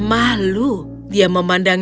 malu dia memandang